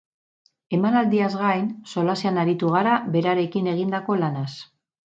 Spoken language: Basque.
Emanaldiaz gain, solasean aritu gara berarekin egindako lanaz.